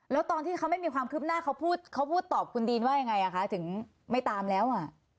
แล้วตอนที่เขาไม่มีความคืบหน้าเขาพูดตอบคุณดีนว่ายังไงคะถึงไม่ตามแล้ว